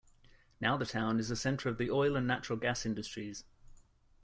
Now the town is a center of the oil and natural gas industries.